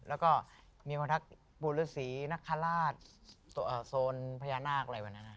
แล้วก็มีคนทักบูรสีนักฆาราชโซนพญานาคอะไรบ้างนะ